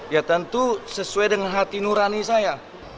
ya tentu sesuai dengan hati nurani saya